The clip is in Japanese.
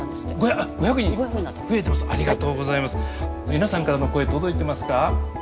皆さんからの声届いてますか？